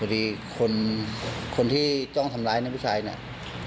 ดีคนที่จ้องทำร้ายนะผู้ชายเนี่ย